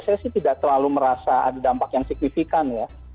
saya sih tidak terlalu merasa ada dampak yang signifikan ya